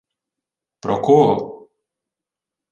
— Про кого?